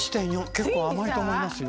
結構甘いと思いますよ。